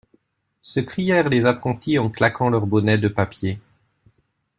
Se crièrent les apprentis en claquant leurs bonnets de papier.